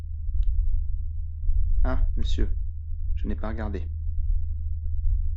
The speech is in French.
Ah ! monsieur… je n’ai pas regardé…